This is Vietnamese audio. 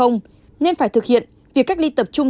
nên phải thực hiện việc cách ly tập trung